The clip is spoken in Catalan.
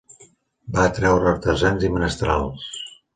Va atreure artesans i menestrals.